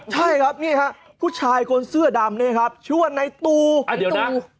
ใช่ครับนี่ฮะผู้ชายคนเสื้อดำนี่ครับ